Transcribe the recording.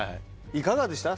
いかがでした？